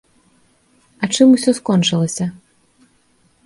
А чым усё скончылася?